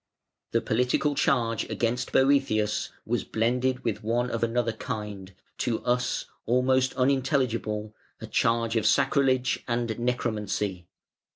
The political charge against Boëthius was blended with one of another kind, to us almost unintelligible, a charge of sacrilege and necromancy.